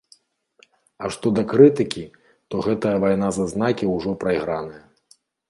А што да крытыкі, то гэтая вайна за знакі ўжо прайграная.